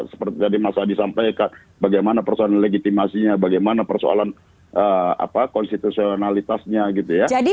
seperti tadi mas adi sampaikan bagaimana persoalan legitimasinya bagaimana persoalan konstitusionalitasnya gitu ya